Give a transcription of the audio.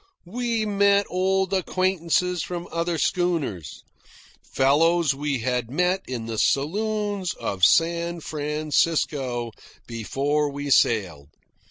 We met old acquaintances from other schooners, fellows we had met in the saloons of San Francisco before we sailed.